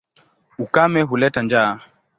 Ukame huleta njaa.